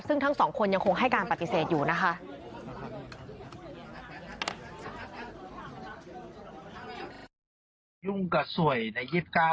ซึ่งทั้งสองคนยังคงให้การปฏิเสธอยู่นะคะ